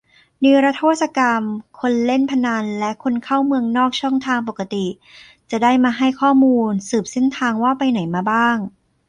นิรโทษกรรม คนเล่นพนันและคนเข้าเมืองนอกช่องทางปกติ - จะได้มาให้ข้อมูล สืบเส้นทางว่าไปไหนมาบ้าง